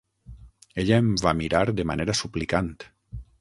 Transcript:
Ella em va mirar de manera suplicant.